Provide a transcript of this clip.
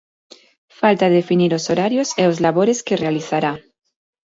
Falta definir os horarios e os labores que realizará.